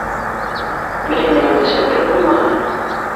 Берәй нәмәңде сәлдереп ҡуймаһын!